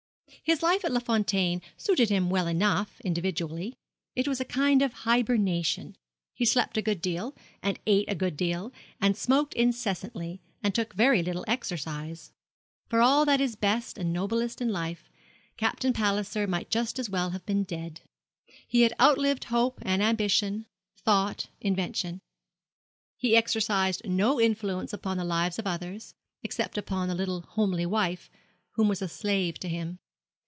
His life at Les Fontaines suited him well enough, individually. It was a kind of hibernation. He slept a good deal, and ate a good deal, and smoked incessantly, and took very little exercise. For all that is best and noblest in life, Captain Palliser might just as well have been dead. He had outlived hope and ambition, thought, invention. He exercised no influence upon the lives of others, except upon the little homely wife, who was a slave to him.